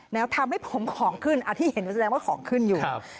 แล้วทำให้ผมของขึ้นที่เห็นแสดงว่าของขึ้นอยู่